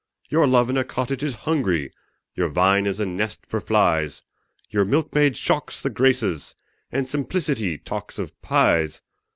Your love in a cottage is hungry, Your vine is a nest for flies Your milkmaid shocks the Graces, And simplicity talks of pies!